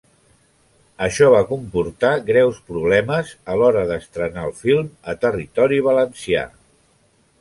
Això va comportar greus problemes a l'hora d'estrenar el film a territori valencià.